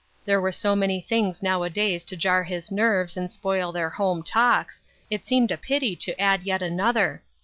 There were so many things nowadays to jar his nerves and spoil their home talks, it seemed a pity to add yet another.